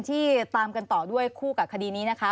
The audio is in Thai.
ที่ตามกันต่อด้วยคู่กับคดีนี้นะคะ